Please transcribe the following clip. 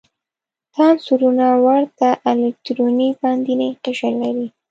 دا عنصرونه ورته الکتروني باندینی قشر لري.